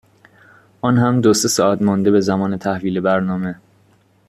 آنهم دو سه ساعت مانده به زمان تحویل برنامه.